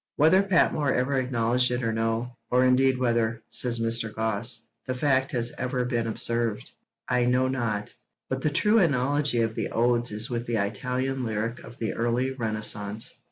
Whether Patmore ever acknowledged it or no, or indeed whether [says Mr. Gosse] the fact has ever been observed, I know not, but the true analogy of the Odes is with the Italian lyric of the early Renaissance.